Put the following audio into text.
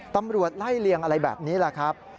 ตำรวจไล่เลียงอะไรแบบนี้แหละครับ